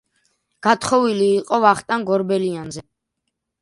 გათხოვილი იყო ვახტანგ ორბელიანზე.